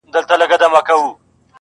هغه نجلۍ مي اوس پوښتنه هر ساعت کوي.